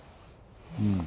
うん。